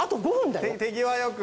手際良く。